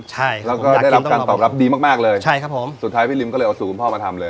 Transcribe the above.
ใช่แล้วก็ได้รับการตอบรับดีมากเลยสุดท้ายพี่ริมก็เลยเอาสู่คุณพ่อมาทำเลย